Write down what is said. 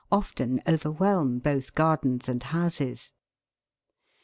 often overwhelm both gardens and houses (Fig.